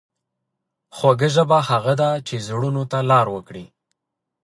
خوږه ژبه هغه ده چې زړونو ته لار وکړي.